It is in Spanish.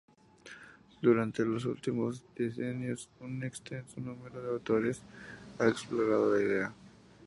Durante los últimos decenios un extenso número de autores ha explorado la idea.